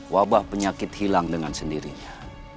wabah penyakit hilang dengan sendirinya